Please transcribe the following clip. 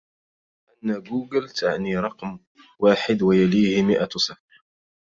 أن جوجول تعني رقم واحد ويليه مئة صفر.